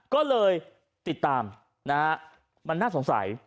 ก็เลยติดตามนะฮะมันน่าสงสัย